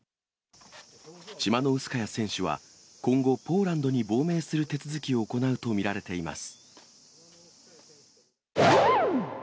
チマノウスカヤ選手は今後、ポーランドに亡命する手続きを行うと見られています。